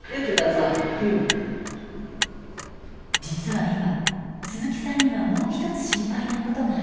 実は今鈴木さんにはもう一つ心配なことがあります。